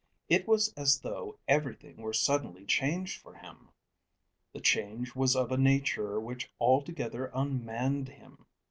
It was as though everything were suddenly changed for him. The change was of a nature which altogether unmanned him.